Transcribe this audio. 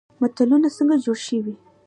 متلونه څنګه جوړ شوي؟